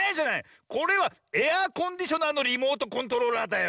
これはエアコンディショナーのリモートコントローラーだよ。